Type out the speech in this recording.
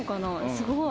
すごい。